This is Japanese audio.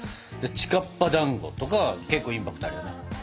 「ちかっぱだんご」とかはけっこうインパクトあるよね。